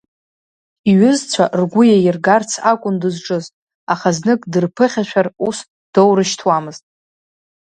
Иҩызцәа ргәы иаиргарц акәын дызҿыз, аха знык дырԥыхьашәар ус доурышьҭуамызт.